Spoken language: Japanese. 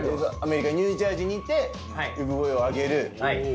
アメリカニュージャージーにて産声を上げる。